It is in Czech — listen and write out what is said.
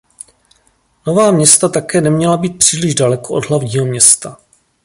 Nová města také neměla být příliš daleko od hlavního města.